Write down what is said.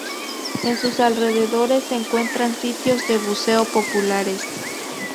En sus alrededores se encuentran sitios de buceo populares.